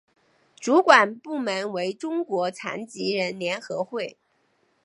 主管部门为中国残疾人联合会。